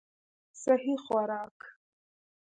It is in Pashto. سهي خوراک